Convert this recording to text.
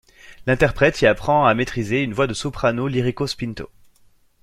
L’interprète y apprend à maîtriser une voix de soprano lirico-spinto.